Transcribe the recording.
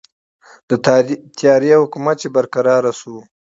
د تیارې حکومت چې برقراره شو.